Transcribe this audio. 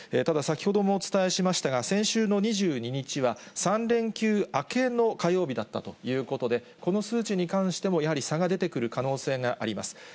ただ、先ほどもお伝えしましたが、先週の２２日は、３連休明けの火曜日だったということで、この数値に関しても、やはり差が出てくる可能性があります。